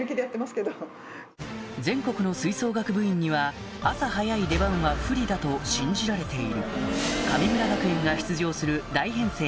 全国の吹奏楽部員には朝早い出番は不利だと信じられている神村学園が出場する大編成